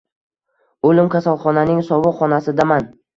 O’lim kasalxonaning sovuq xonasidaman